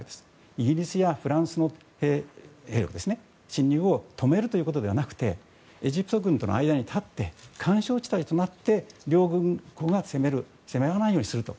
イギリスやフランスの兵の侵入を止めるということではなくてエジプト軍との間に立って緩衝地帯となって両軍が攻められないようにすると。